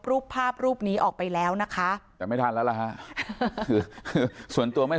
รูปภาพรูปนี้ออกไปแล้วนะคะแต่ไม่ทันแล้วล่ะฮะคือส่วนตัวไม่